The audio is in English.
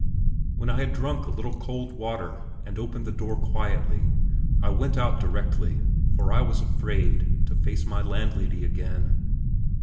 When I had drunk a little cold water and opened the door quietly, I went out directly, for I was afraid to face my landlady again.